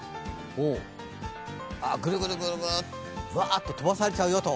おお、ぐるぐるぐるぐるわっと飛ばされちゃうよと。